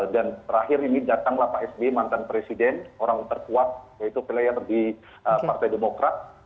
dan terakhir ini datanglah pak s b mantan presiden orang terkuat yaitu pilihan yang lebih partai demokrat